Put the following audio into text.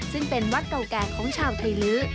ซึ่งเป็นวัดเก่าแก่ของชาวไทยลื้อ